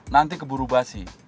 nanti keburu basi